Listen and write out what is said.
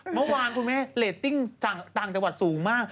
เมื่อวานปุ๊กแม่เรทติ้งต่างจังหวัดสูงมาก